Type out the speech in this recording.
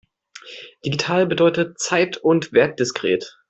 Digital bedeutet zeit- und wertdiskret.